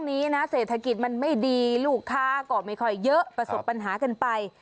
นี้นะเศรษฐกิจมันไม่ดีลูกค้าก็ไม่ค่อยเยอะประสบปัญหากันไป